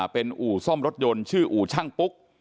เป็นอู่ซ่อมรถยนต์ชื่ออู่ช่างปุ๊ก